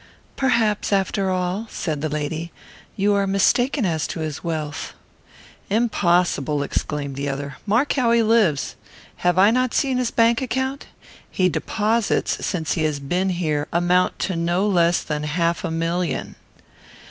"Perhaps, after all," said the lady, "you are mistaken as to his wealth." "Impossible," exclaimed the other. "Mark how he lives. Have I not seen his bank account? His deposits, since he has been here, amount to no less than half a million."